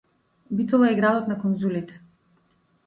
Битола е градот на конзулите.